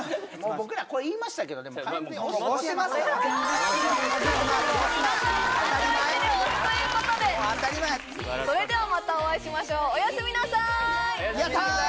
僕らこれ言いましたけどでも完全に推します推しますから満場一致で推すということで当たり前それではまたお会いしましょうおやすみなさいやったー！